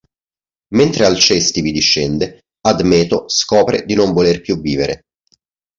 Mentre Alcesti vi discende, Admeto scopre di non voler più vivere.